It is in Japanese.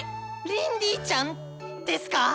リンディちゃんですか？